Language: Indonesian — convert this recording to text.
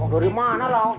dari mana lah